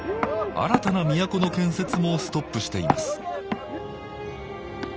新たな都の建設もストップしています